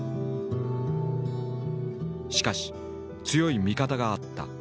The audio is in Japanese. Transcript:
しかし強い味方があった。